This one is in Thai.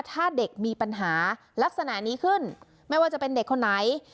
ถ้าเด็กมีปัญหาลักษณะนี้ขึ้นไม่ว่าจะเป็นเด็กคนไหน